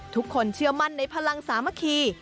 ทุกคนเชื่อมั่นในพลังสามัคคี